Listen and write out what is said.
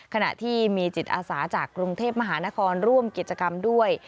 ขณะที่มีจิตอาสาจากกรุงเทพมหานครร่วมกิจกรรมด้วย